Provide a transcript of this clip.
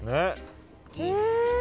へえ。